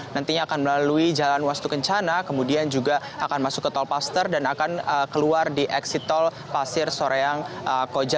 nantinya akan melalui jalan wastu kencana kemudian juga akan masuk ke tol paster dan akan keluar di eksit tol pasir soreang koja